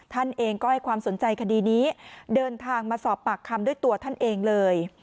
ท่านเองก็ให้ความสนใจคดีนี้เดินทางมาสอบปากคำด้วยตัวท่านเองเลย